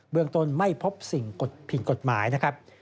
เมืองต้นไม่พบสิ่งผิดกฎหมายนะครับ